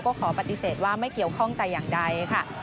ก็ขอปฏิเสธว่าไม่เกี่ยวข้องแต่อย่างใดค่ะ